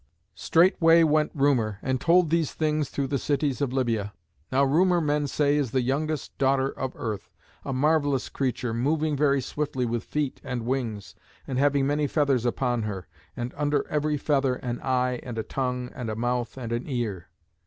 Straightway went Rumour and told these things through the cities of Libya. Now Rumour, men say, is the youngest daughter of Earth, a marvellous creature, moving very swiftly with feet and wings, and having many feathers upon her, and under every feather an eye and a tongue and a mouth and an ear.